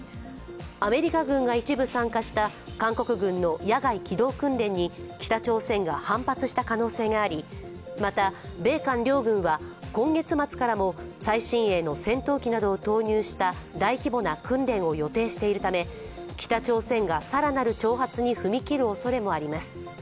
アメリカ軍が一部参加した韓国軍の野外機動訓練に北朝鮮が反発した可能性があり、また米韓両軍は、今月末からも最新鋭の戦闘機などを投入した大規模な訓練を予定しているため、北朝鮮が更なる挑発に踏み切るおそれもあります。